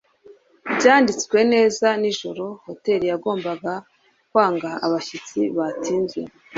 byanditswe neza nijoro, hoteri yagombaga kwanga abashyitsi batinze